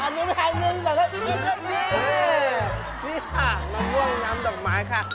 นี่ค่ะมะม่วงน้ำดอกไม้ค่ะ